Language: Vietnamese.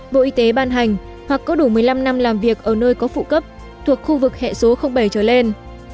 bộ y tế ban hành hoặc có đủ một mươi năm năm làm việc ở nơi có phụ cấp thuộc khu vực hệ số bảy trở lên